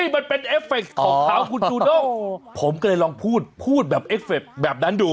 มันเป็นเอฟเฟคของเขาคุณจูด้งผมก็เลยลองพูดพูดแบบเอฟเฟคแบบนั้นดู